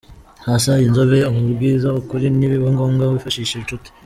sasa inzobe umubwize ukuri nibiba ngombwa wifashishe inshuti.